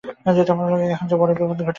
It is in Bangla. কিন্তু এখন যে বড় বিপদ ঘটিল!